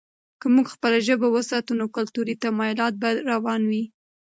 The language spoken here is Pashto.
که موږ خپله ژبه وساتو، نو کلتوري تمایلات به روان وي.